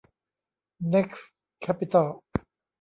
เน็คซ์ แคปปิตอล